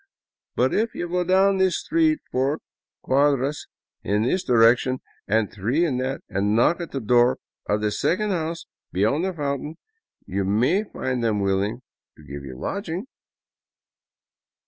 But if you go down this street four cuadras in this direction and three in that and knock at the door of the second house beyond the fountain, you may find them willing to give you lodging."